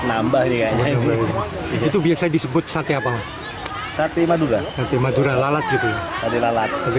nambah itu biasa disebut sate apa sate madura madura lalat gitu kalau ke